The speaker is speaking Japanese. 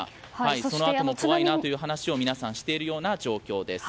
そのあとも、怖いなという話を皆さんしているような状況です。